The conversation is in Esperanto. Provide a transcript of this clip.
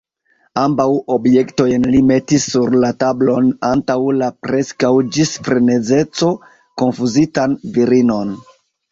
Ambaŭ objektojn li metis sur la tablon antaŭ la preskaŭ ĝis frenezeco konfuzitan virinon.